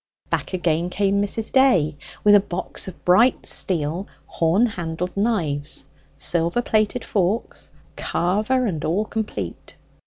Back again came Mrs. Day with a box of bright steel horn handled knives, silver plated forks, carver, and all complete.